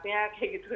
kayak gitu kan